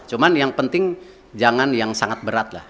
cuma yang penting jangan yang sangat berat lah